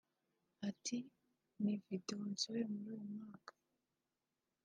Ati “ Ni video nsohoye muri uyu mwaka